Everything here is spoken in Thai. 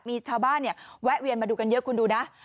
มีชาวบ้านเนี่ยแวะเวียนมาดูกันเยอะคุณดูนะ